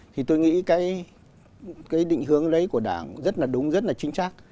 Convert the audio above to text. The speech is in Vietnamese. thì tôi nghĩ cái định hướng đấy của đảng rất là đúng rất là chính xác